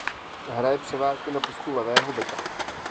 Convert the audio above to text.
Hraje převážně na postu levého beka.